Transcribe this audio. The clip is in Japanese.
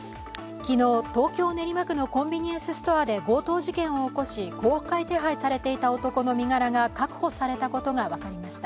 昨日、東京・練馬区のコンビニエンスストアで強盗事件を起こし公開手配されていた男の身柄が確保されたことが分かりました。